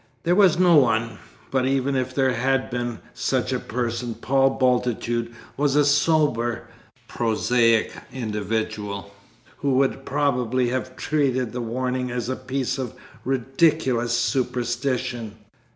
There was no one; but even if there had been such a person, Paul Bultitude was a sober prosaic individual, who would probably have treated the warning as a piece of ridiculous superstition.